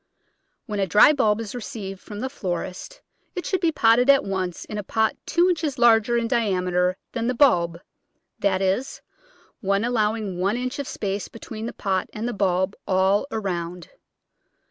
When a dry bulb is received from the florist it should be potted at once in a pot two inches larger in diameter than the bulb, that is, one allowing one inch of space between the pot and the bulb all around.